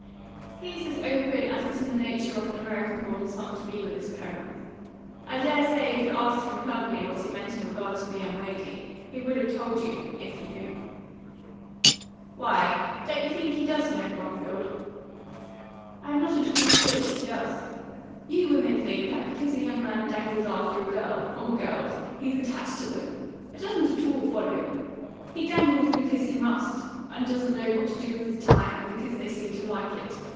"He's as open as it's in the nature of an American born son to be with his parents. I dare say if you'd asked him plumply what he meant in regard to the young lady, he would have told you if he knew." "Why, don't you think he does know, Bromfield?" "I'm not at all sure he does. You women think that because a young man dangles after a girl, or girls, he's attached to them. It doesn't at all follow. He dangles because he must, and doesn't know what to do with his time, and because they seem to like it.